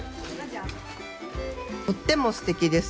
とってもすてきです。